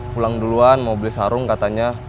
pulang duluan mau beli sarung katanya